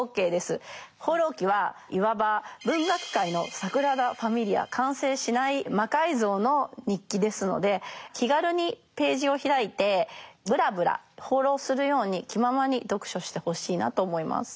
「放浪記」はいわば完成しない魔改造の日記ですので気軽にページを開いてブラブラ放浪するように気ままに読書してほしいなと思います。